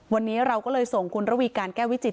วันนี้เราก็เลยส่งคุณระวีการแก้ววิจิต